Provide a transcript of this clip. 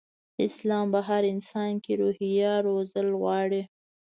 اسلام په هر انسان کې روحيه روزل غواړي.